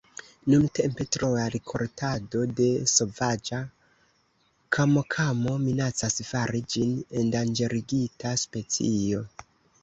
Nuntempe troa rikoltado de sovaĝa kamokamo minacas fari ĝin endanĝerigita specio.